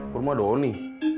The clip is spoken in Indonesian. ke rumah doni